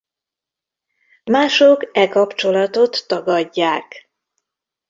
Mások e kapcsolatot tagadják.